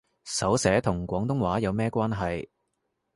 手寫同廣東話有咩關係